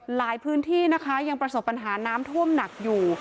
หลายพื้นที่นะคะยังประสบปัญหาน้ำท่วมหนักอยู่